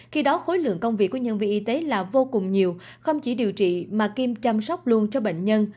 khi đó khối lượng công việc của nhân viên y tế là vô cùng nhiều không chỉ điều trị mà kim chăm sóc luôn cho bệnh nhân